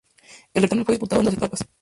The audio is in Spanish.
El certamen fue disputado en dos etapas.